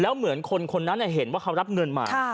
แล้วเหมือนคนนั้นเห็นว่าเขารับเงินมา